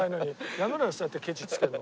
やめろよそうやってケチつけるの。